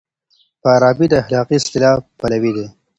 فارابي د اخلاقي اصلاح پلوی دی.